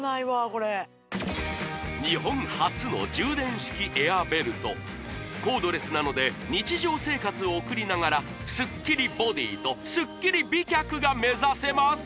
これ日本初の充電式エアーベルトコードレスなので日常生活を送りながらスッキリボディとスッキリ美脚が目指せます